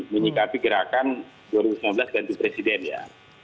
menyikapi gerakan dua ribu sembilan belas ganti presiden ya